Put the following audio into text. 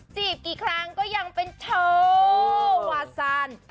จีบกี่ครั้งก็ยังเป็นโชว์วาซาน